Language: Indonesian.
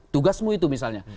tugasmu itu misalnya